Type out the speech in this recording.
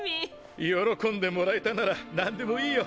喜んでもらえたなら何でもいいよ！